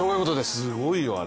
すごいよ、あれ。